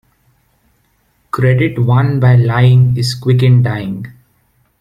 Credit won by lying is quick in dying.